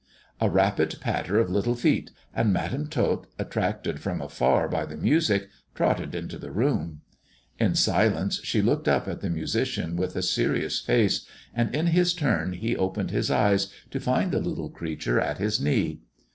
A rapid patter of little feet, and Madam Tot, attracted from afar by the music, trotted into the room. In silence she looked up at the musician with a serious face, and in his turn he opened his eyes, to 6nd the little creature at his knee.